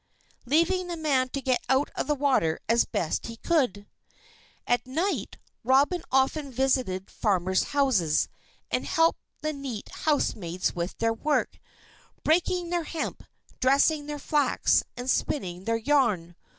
Ho!" leaving the man to get out of the water as best he could. At night Robin often visited farmers' houses, and helped the neat housemaids with their work, breaking their hemp, dressing their flax, and spinning their yarn.